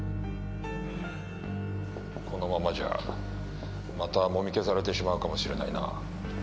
このままじゃまたもみ消されてしまうかもしれないな。